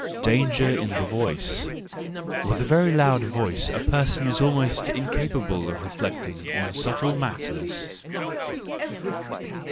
Danger in the Voice .—With a very loud voice a person is almost incapable of reflecting on subtle matters.